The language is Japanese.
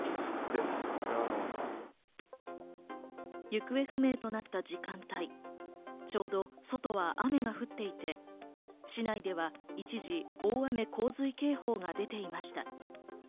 行方不明となった時間帯、ちょうど外は雨が降っていて、市内では一時、大雨洪水警報が出ていました。